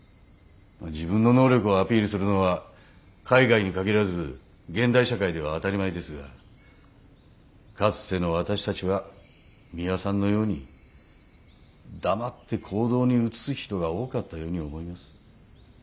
まあ自分の能力をアピールするのは海外に限らず現代社会では当たり前ですがかつての私たちはミワさんのように黙って行動に移す人が多かったように思います。